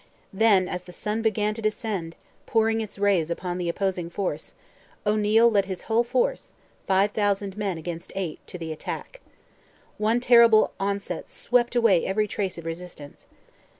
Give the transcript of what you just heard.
Then as the sun began to descend, pouring its rays upon the opposing force, O'Neil led his whole force—five thousand men against eight—to the attack. One terrible onset swept away every trace of resistance.